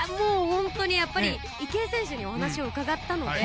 やっぱり池江選手にお話を伺ったので。